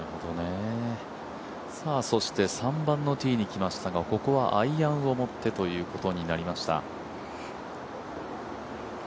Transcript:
３番のティーに来ましたがここはアイアンを持ってということになりました。